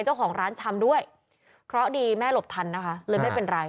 เจ้าของร้านชำด้วยเคราะห์ดีแม่หลบทันนะคะเลยไม่เป็นไร